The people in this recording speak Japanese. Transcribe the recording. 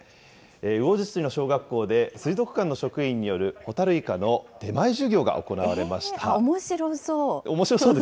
魚津市の小学校で、水族館の職員によるホタルイカの出前授業が行おもしろそう。